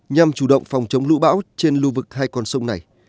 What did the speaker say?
nhằm chủ động phòng chống lũ bão trên lưu vực hai con sông này